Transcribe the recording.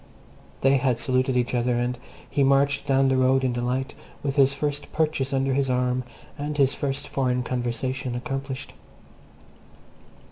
They had saluted each other, and he marched down the road in delight, with his first purchase under his arm and his first foreign conversation accomplished.